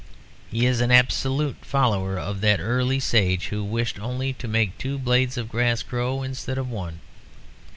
He is an absolute follower of that early sage who wished only to make two blades of grass grow instead of one.